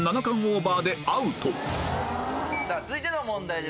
オーバーでアウト続いての問題